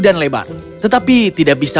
dan lebar tetapi tidak bisa